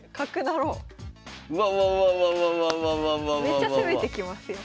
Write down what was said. めっちゃ攻めてきますよ。